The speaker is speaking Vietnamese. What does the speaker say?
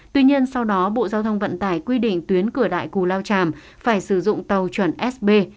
tuy nhiên sau đó bộ giao thông vận tải quy định tuyến cửa đại cù lao chàm phải sử dụng tàu chuẩn sb